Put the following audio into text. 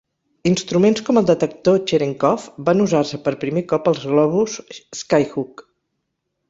Instruments com el detector Cherenkov van usar-se per primer cop als globus Skyhook.